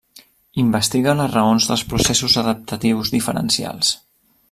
Investiga les raons dels processos adaptatius diferencials.